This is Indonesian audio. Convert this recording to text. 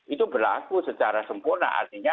itu berlaku secara sempurna artinya